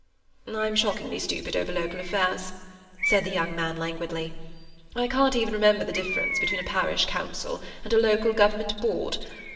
"I'm shockingly stupid over local affairs," said the young man languidly. "I can't even remember the difference between a Parish Council and a Local Government Board.